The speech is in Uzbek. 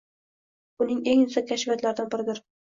Uning eng yuksak kashfiyotlaridan biridir.